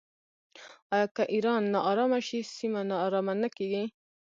آیا که ایران ناارامه شي سیمه ناارامه نه کیږي؟